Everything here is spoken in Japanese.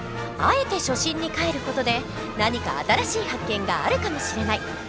あえて初心にかえる事で何か新しい発見があるかもしれない！